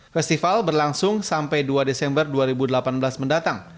festival berlangsung sampai dua desember dua ribu delapan belas mendatang